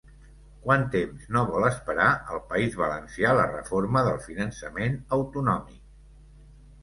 Quant temps no vol esperar el País Valencià la reforma del finançament autonòmic?